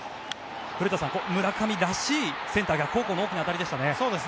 古田さん、村上らしいセンター方向への大きな当たりでしたね。